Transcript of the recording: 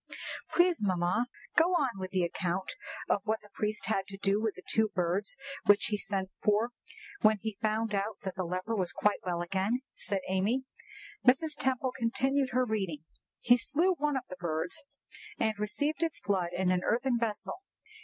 "Please, mamma, go on with the account of what the priest had to do with the two birds which he sent for when he found that the leper was quite well again," said Amy. Mrs. Temple continued her reading: "'He slew one of the birds, and received its blood in an earthen vessel.